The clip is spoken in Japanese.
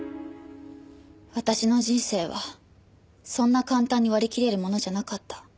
私の人生はそんな簡単に割り切れるものじゃなかった。